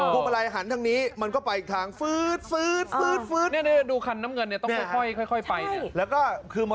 รุงบรายหันทางนี้มันก็ไปอีกทางซื้อซื้อซื้อซื้อ